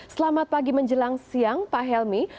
selamat pagi menjelang siang pak helmi